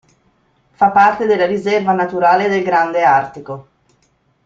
Fa parte della Riserva naturale del Grande Artico.